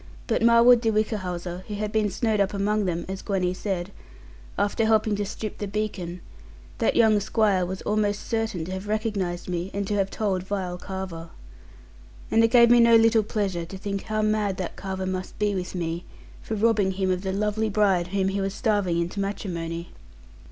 But Marwood de Whichehalse, who had been snowed up among them (as Gwenny said), after helping to strip the beacon, that young Squire was almost certain to have recognised me, and to have told the vile Carver. And it gave me no little pleasure to think how mad that Carver must be with me, for robbing him of the lovely bride whom he was starving into matrimony.